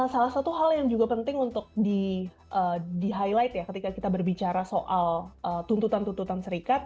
salah satu hal yang juga penting untuk di highlight ya ketika kita berbicara soal tuntutan tuntutan serikat